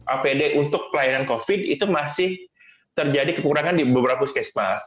apd untuk pelayanan covid itu masih terjadi kekurangan di beberapa puskesmas